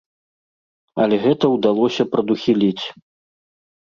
Але гэта ўдалося прадухіліць.